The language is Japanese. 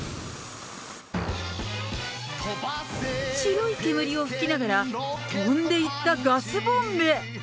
白い煙を噴きながら、飛んでいったガスボンベ。